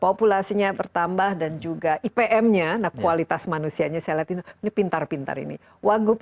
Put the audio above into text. populasinya bertambah dan juga ipm nya nah kualitas manusianya saya lihat ini pintar pintar ini wagub